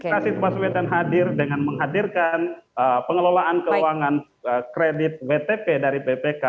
rasid baswedan hadir dengan menghadirkan pengelolaan keuangan kredit wtp dari ppk